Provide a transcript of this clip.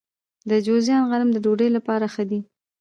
د جوزجان غنم د ډوډۍ لپاره ښه دي.